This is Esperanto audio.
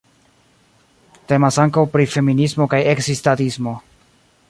Temas ankaŭ pri feminismo kaj ekzistadismo.